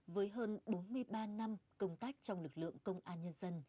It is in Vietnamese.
với hơn bốn mươi ba năm công tác trong lực lượng công an nhân dân